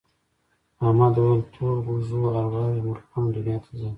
احمد وویل تور غوږو ارواوې مرغانو دنیا ته ځي.